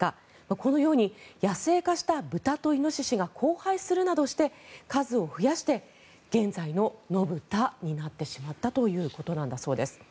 このように野生化した豚とイノシシが交配するなどして数を増やして現在の野豚になってしまったということなんだそうです。